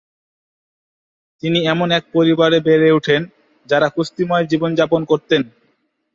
তিনি এমন এক পরিবারে বেড়ে ওঠেন, যাঁরা কুস্তিময় জীবনযাপন করতেন।